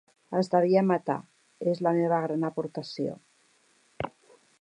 Es devia matar —és la meva gran aportació.